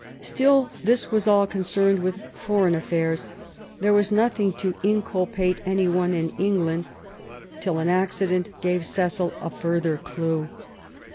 Still this was all concerned with foreign affairs. There was nothing to inculpate any one in England, till an accident gave Cecil a further clue.